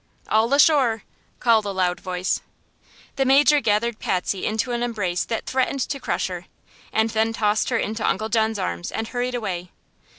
"All ashore!" called a loud voice. The Major gathered Patsy into an embrace that threatened to crush her, and then tossed her into Uncle John's arms and hurried away.